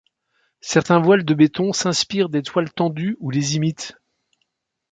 Certains voiles de béton s'inspirent des toiles tendues ou les imitent.